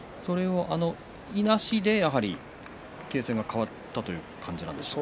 いなしで形勢が変わったということでしょうか。